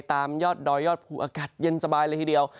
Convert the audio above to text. ตามยอดดอยยอดภูอากาศเย็นสบายเลยทีเดียว